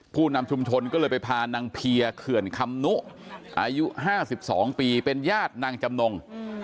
ผู้นำชุมชนก็เลยไปพานางเพียเขื่อนคำนุอายุ๕๒ปีเป็นญาตินางจำนง